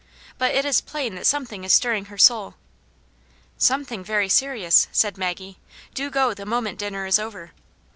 But it is plain that something is stirring her soul." " Something very serious," said Maggie. " Do go the moment dinner is over."